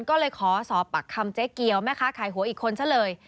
ก็เลยขอสอบปากคำเจ๊เกียวแม่ค้าขายหัวอีกคนซะเลย